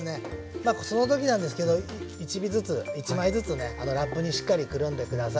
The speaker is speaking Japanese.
まあその時なんですけど１尾ずつ１枚ずつねラップにしっかりくるんで下さい。